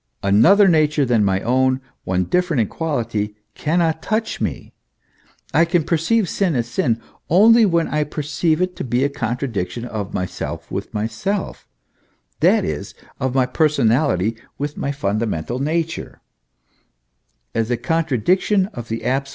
Another nature than my own, one different in quality, cannot touch me. I can per ceive sin as sin, only when I perceive it to be a contradiction of myself with myself that is, of my personality with my * Gloriam suam plus amat Deus quam omnes creaturas.